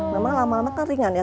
memang lama lama kan ringan ya